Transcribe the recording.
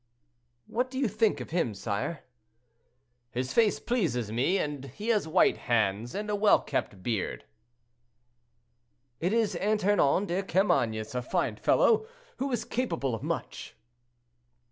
"What do you think of him, sire?" "His face pleases me, and he has white hands and a well kept beard." "It is Ernanton de Carmainges, a fine fellow, who is capable of much."